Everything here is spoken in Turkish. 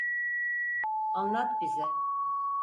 Anlat bize.